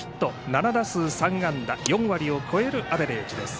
７打数３安打４割を超えるアベレージです。